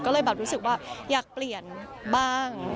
ก็เลยแบบรู้สึกว่าอยากเปลี่ยนบ้าง